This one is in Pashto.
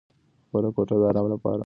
خپله کوټه د ارام لپاره سمه کړه.